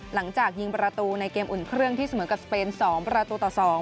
หลังจากยิงประตูในเกมอุ่นเครื่องที่เสมอกับสเปน๒ประตูต่อ๒